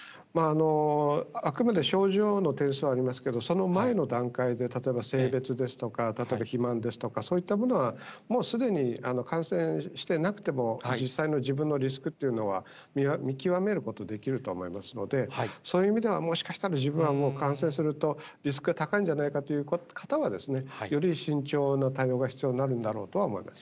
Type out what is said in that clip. あくまで症状の点数はありますけれども、その前の段階で、例えば、性別です、例えば肥満ですとか、そういったものはもうすでに感染してなくても実際の自分のリスクというのは見極めることできると思いますので、そういう意味ではもしかしたら自分はもう、感染するとリスクが高いんじゃないかという方は、より慎重な対応が必要になるんだろうとは思います。